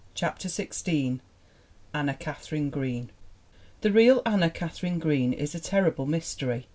CHAPTER XVI ANNA KATHARINE GREEN THE real Anna Katharine Green is a terrible mystery.